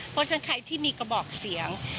เพราะฉะนั้นใครที่มีกระบอกเสียง